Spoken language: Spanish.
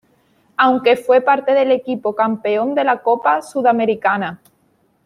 Aunque fue parte del equipo campeón de la Copa Sudamericana.